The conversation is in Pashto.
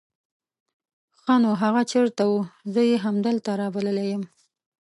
ښا نو هغه چېرته وو؟ زه يې همدلته رابللی يم.